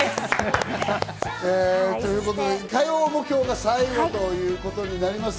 火曜も今日が最後ということになります。